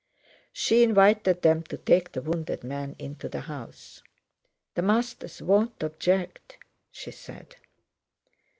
She invited them to take the wounded man into the house. "The masters won't object..." she said.